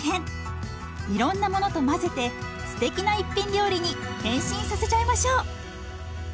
いろんなものと混ぜてすてきな一品料理に変身させちゃいましょう。